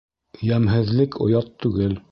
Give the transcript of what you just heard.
Йәмһеҙлек оят түгел.